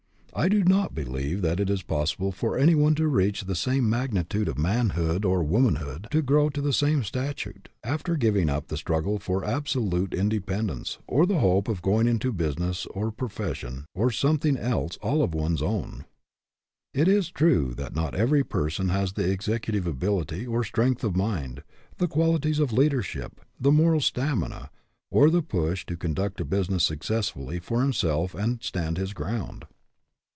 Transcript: I do not believe that it is possible for any one to reach the same magnitude of manhood or womanhood, to RESPONSIBILITY DEVELOPS 103 grow to the same statute, after giving up the struggle for absolute independence or the hope of going into a business or profession or something else all of one's own. It is true that not every person has the executive ability or strength of mind, the qualities of leadership, the moral stamina, or the push to conduct a business successfully for himself and stand his ground.